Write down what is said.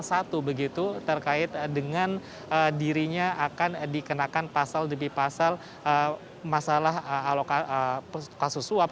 satu begitu terkait dengan dirinya akan dikenakan pasal demi pasal masalah kasus suap